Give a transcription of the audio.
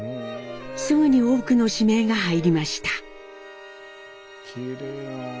すぐに多くの指名が入りました。